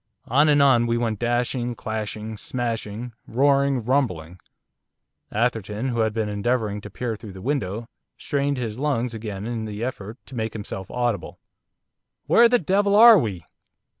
On and on we went dashing, crashing, smashing, roaring, rumbling. Atherton, who had been endeavouring to peer through the window, strained his lungs again in the effort to make himself audible. 'Where the devil are we?